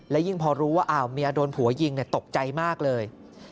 และยิ่งพอรู้ว่าเมียโดนผัวยิงตกใจมากเลย